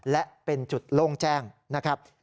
และเป็นจุดโล่งแจ้งนะครับ